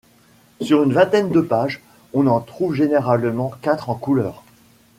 Sur une vingtaine de pages, on en trouve généralement quatre en couleurs.